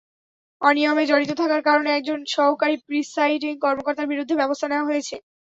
অনিয়মে জড়িত থাকার কারণে একজন সহকারী প্রিসাইডিং কর্মকর্তার বিরুদ্ধে ব্যবস্থা নেওয়া হয়েছে।